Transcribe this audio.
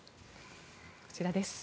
こちらです。